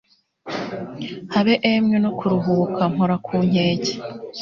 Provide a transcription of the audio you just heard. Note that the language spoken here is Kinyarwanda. habe emwe no kuruhuka, mpora ku nkeke